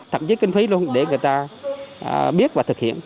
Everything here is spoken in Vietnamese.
thậm chí kinh phí luôn để người ta biết và thực hiện